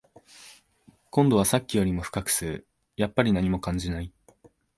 今度はさっきよりも深く吸う、やっぱり何も感じない